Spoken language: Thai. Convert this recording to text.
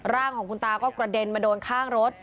ร่างของคุณตาก็กระเด็นมาโดนข้างรถ